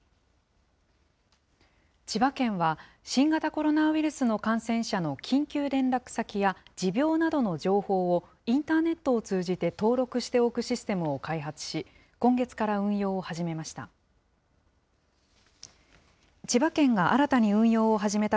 千葉県は、新型コロナウイルスの感染者の緊急連絡先や持病などの情報を、インターネットを通じて登録しておくシステムを開発し、今月から運用を始めました。